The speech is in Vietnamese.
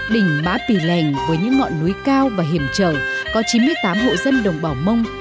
đỉnh mã pì lèng với những ngọn núi cao và hiểm trở có chín mươi tám hộ dân đồng bào mông